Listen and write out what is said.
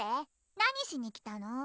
何しに来たの？